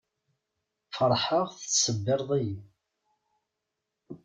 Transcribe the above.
Feṛḥeɣ tettṣebbiṛeḍ-iyi.